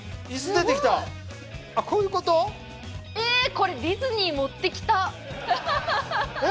これディズニー持っていきたいいや